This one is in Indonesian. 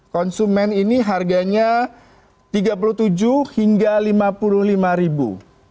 konsumen ini harganya rp tiga puluh tujuh hingga lima puluh lima ribu